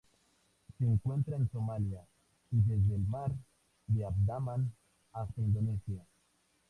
Se encuentra en Somalia y desde el Mar de Andaman hasta Indonesia.